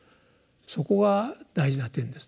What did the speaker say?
そこが大事な点ですね。